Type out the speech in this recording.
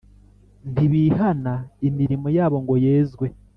ntibīhana imirimo yabo ngo yezwe